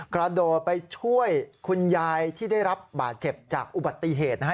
กระโดดไปช่วยคุณยายที่ได้รับบาดเจ็บจากอุบัติเหตุนะฮะ